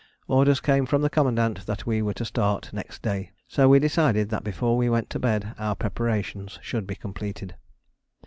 Orders came from the commandant that we were to start next day, so we decided that before we went to bed our preparations should be completed.